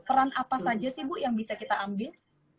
peran apa saja sih bu yang bisa kita ambil